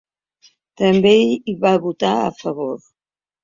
També hi va votar a favor.